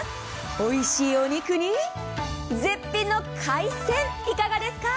おいしいお肉に絶品の海鮮、いかがですか？